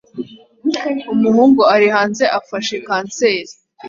Umuhungu ari hanze afashe kanseri